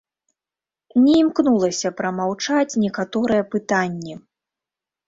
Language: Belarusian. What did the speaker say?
Не імкнулася прамаўчаць некаторыя пытанні.